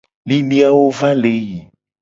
Liliwo va le yi.